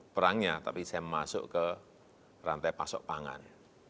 perangnya tapi saya masuk ke rantai pasok pangan